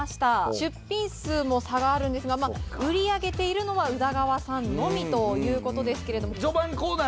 出品数も差があるんですが売り上げているのは宇田川さんのみということですけれども。